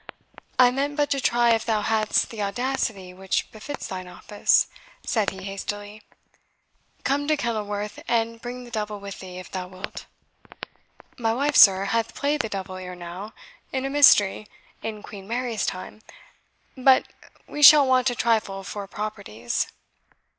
"I meant but to try if thou hadst the audacity which befits thine office," said he hastily. "Come to Kenilworth, and bring the devil with thee, if thou wilt." "My wife, sir, hath played the devil ere now, in a Mystery, in Queen Mary's time; but me shall want a trifle for properties."